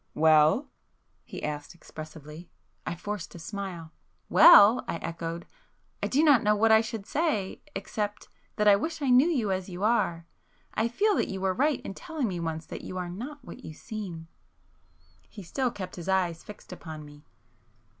"Well?" he asked expressively. I forced a smile. "Well!" I echoed—"I do not know what I should say,—except—that I wish I knew you as you are. I feel that you were right in telling me once that you are not what you seem." He still kept his eyes fixed upon me.